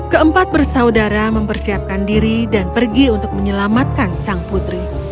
keempat bersaudara mempersiapkan diri dan pergi untuk menyelamatkan sang putri